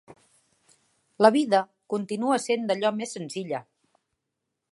La vida continua sent d'allò més senzilla.